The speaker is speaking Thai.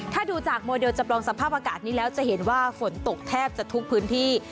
ถ้าดูจากโมเดลจำลองสภาพอากาศนี้แล้วจะเห็นว่าฝนตกแทบจะทุกพื้นที่